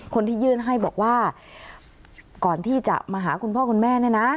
คนที่ยื่นให้บอกว่าก่อนที่จะมาหาคุณพ่อคุณแม่เนี่ยนะ